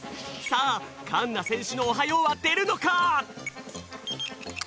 さあかんなせんしゅの「おはよう」はでるのか？